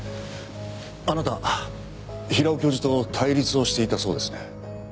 あなたは平尾教授と対立をしていたそうですね。